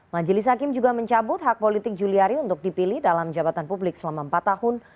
majelis hakim juga mencabut hak politik juliari untuk dipilih dalam jabatan publik selama empat tahun